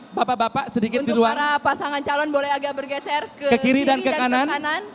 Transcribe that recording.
untuk para pasangan calon boleh agak bergeser ke kiri dan ke kanan